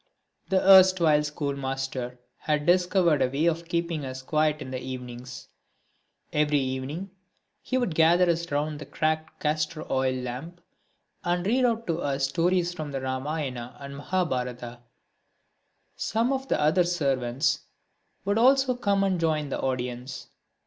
This erstwhile schoolmaster had discovered a way of keeping us quiet in the evenings. Every evening he would gather us round the cracked castor oil lamp and read out to us stories from the Ramayana and Mahabharata. Some of the other servants would also come and join the audience.